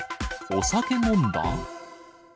お酒飲んだ？